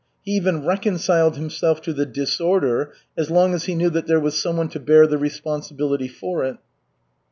He even reconciled himself to the disorder as long as he knew that there was someone to bear the responsibility for it.